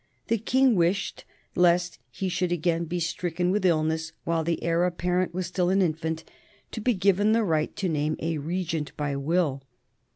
The King wished, lest he should again be stricken with illness while the heir apparent was still an infant, to be given the right to name a regent by will.